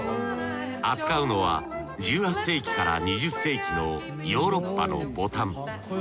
扱うのは１８世紀から２０世紀のヨーロッパのボタン。